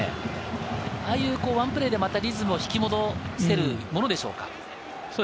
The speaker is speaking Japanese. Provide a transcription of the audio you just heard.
ああいうワンプレーでダイレクトに引き戻せるものでしょうか。